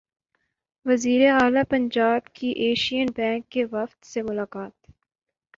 وزیراعلی پنجاب کی Asian bank کے وفد سے ملاقات